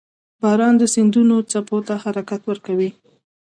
• باران د سیندونو څپو ته حرکت ورکوي.